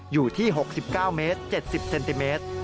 อยู่ที่๖๙เมตร๗๐เซนติเมตร